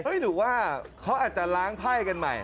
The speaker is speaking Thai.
หรือว่าเขาอาจจะล้างไพ่กันใหม่